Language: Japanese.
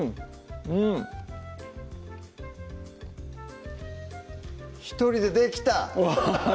うん１人でできた！